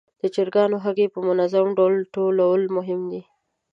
د چرګانو هګۍ په منظم ډول ټولول مهم دي.